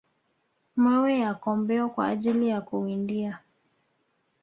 mawe ya kombeo kwa ajili ya kuwindia